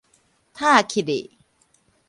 疊起去